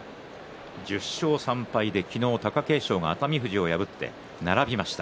１０勝３敗で昨日、貴景勝が熱海富士を破って並びました。